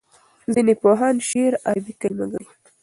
ځینې پوهان شعر عربي کلمه ګڼي.